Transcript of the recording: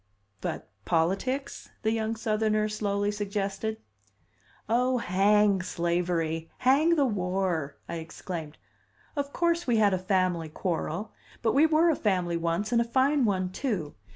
"But politics?" the young Southerner slowly suggested. "Oh, hang slavery! Hang the war!" I exclaimed. "Of course, we had a family quarrel. But we were a family once, and a fine one, too!